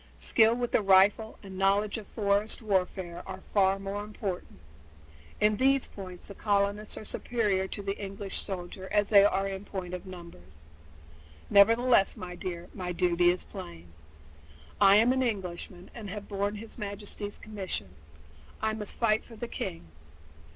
Skill with the rifle and knowledge of forest warfare are far more important. In these points the colonists are as superior to the English soldiers as they are in point of numbers. Nevertheless, my dear, my duty is plain. I am an Englishman and have borne his Majesty's commission, and I must fight for the king.